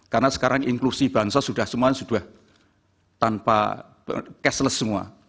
karena sekarang inklusi bahan sosial sudah semua sudah tanpa cashless semua